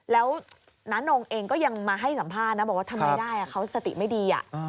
แล้วน้านงเองก็ยังมาให้สัมภาษณ์นะบอกว่าทำไม่ได้เขาสติไม่ดี